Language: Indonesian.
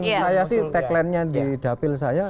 menurut saya sih tagline nya di dapil saya